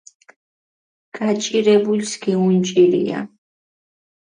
გაჭირებულს გეუნჭირია